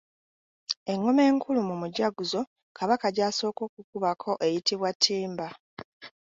Engoma enkulu mu mujaguzo Kabaka gy'asooka okukubako eyitibwa Ttimba.